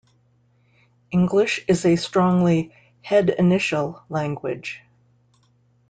English is a strongly head-initial language.